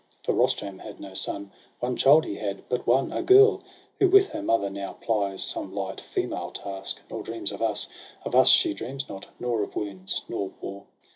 For Rustum had no son; one child he had — But one — a girl ; who with her mother now PHes some light female task, nor dreams of us — Of us she dreams not, nor of wounds, nor war.'